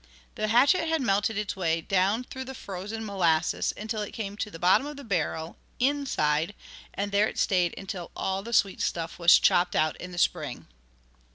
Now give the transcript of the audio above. The hatchet had melted its way down through the frozen molasses, until it came to the bottom of the barrel, inside, and there it stayed until all the sweet stuff was chopped out in the spring."